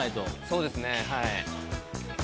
そうですねはい。